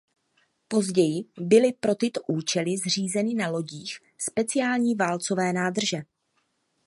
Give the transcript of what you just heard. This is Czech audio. Později byly pro tyto účely zřízeny na lodích speciální válcové nádrže.